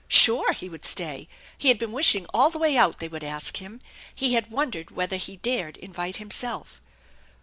Sure, he would stay! He had been wishing all the way out they would ask him. He had won dered whether he dared invite himself.